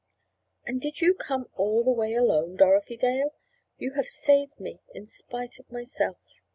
"And did you come all the way alone, Dorothy Dale? You have saved me in spite of myself!"